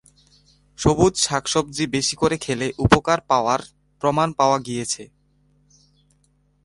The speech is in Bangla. সবুজ শাক-সবজি বেশি করে খেলে উপকার পাওয়ার প্রমাণ পাওয়া গিয়েছে।